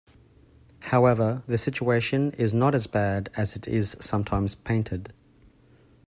However, the situation is not as bad as it is sometimes painted.